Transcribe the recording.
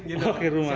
oh di rumah